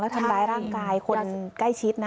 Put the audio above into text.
ทำร้ายร่างกายคนใกล้ชิดนะ